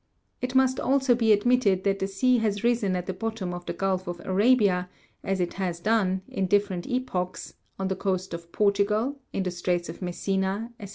It must also be admitted that the sea has risen at the bottom of the Gulf of Arabia, as it has done, in different epochs, on the coasts of Portugal, in the Straits of Messina, &c.